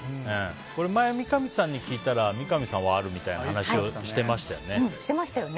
前、三上さんに聞いたら三上さんはあるっていう話をしていましたよね。